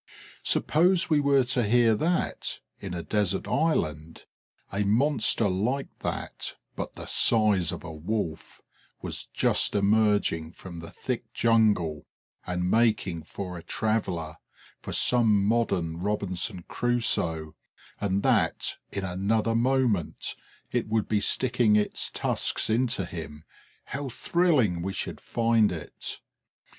Suppose we were to hear that, in a desert island, a monster like that, but the size of a wolf, was just emerging from the thick jungle and making for a traveller, for some modern Robinson Crusoe, and that, in another moment, it would be sticking its tusks into him, how thrilling we should find it!